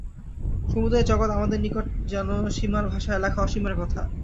সমুদয় জগৎ আমাদের নিকট যেন সীমার ভাষায় লেখা অসীমের কথা।